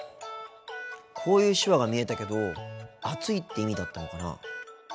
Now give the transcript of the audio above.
こういう手話が見えたけど暑いって意味だったのかな。